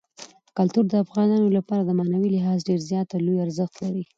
کلتور د افغانانو لپاره په معنوي لحاظ ډېر زیات او لوی ارزښت لري.